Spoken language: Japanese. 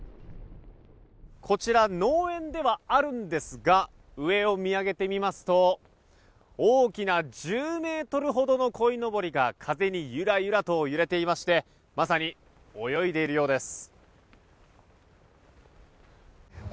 こちら農園ではあるんですが上を見上げてみますと大きな１０ｍほどのこいのぼりが風にゆらゆらと揺れていましてまさに泳いでいるようです。